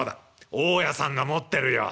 大家さんが持ってるよ。